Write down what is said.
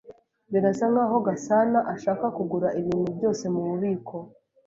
Birasa nkaho Gasanaashaka kugura ibintu byose mububiko.